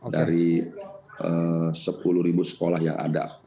dari sepuluh sekolah yang ada